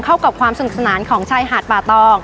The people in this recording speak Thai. เข้ากับความสนุกสนานของชายหาดป่าตอง